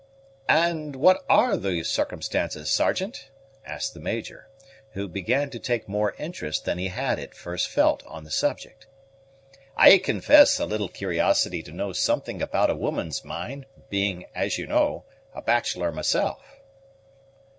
"And what are these circumstances, Sergeant?" asked the Major, who began to take more interest than he had at first felt on the subject. "I confess a little curiosity to know something about a woman's mind, being, as you know, a bachelor myself."